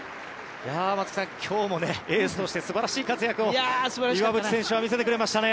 松木さん、今日もエースとして素晴らしい活躍を岩渕選手は見せてくれましたね。